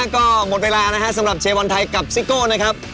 ก็หมดเวลาสำหรับเชเวอร์บอลไทยกับซิโก้นะครับ